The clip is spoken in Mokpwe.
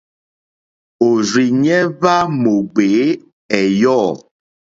Òrzìɲɛ́ hwá mò ŋɡbèé ɛ̀yɔ̂.